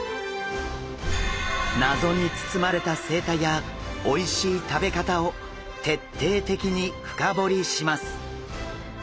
謎に包まれた生態やおいしい食べ方を徹底的に深掘りします！